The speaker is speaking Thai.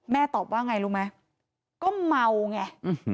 ตอบว่าไงรู้ไหมก็เมาไง